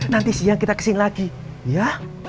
nanti siang kita kesini lagi ya